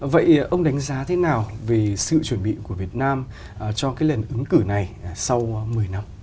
vậy ông đánh giá thế nào về sự chuẩn bị của việt nam cho cái lần ứng cử này sau một mươi năm